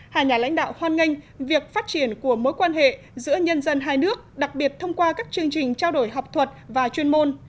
hai nhà lãnh đạo hoan nghênh việc phát triển của mối quan hệ giữa nhân dân hai nước đặc biệt thông qua các chương trình trao đổi học thuật và chuyên môn